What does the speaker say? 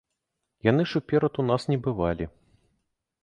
Яны ж уперад у нас не бывалі.